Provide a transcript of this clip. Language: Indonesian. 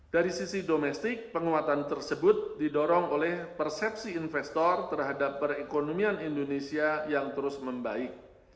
dari sisi domestik penguatan tersebut didorong oleh persepsi investor terhadap perekonomian indonesia yang terus membaik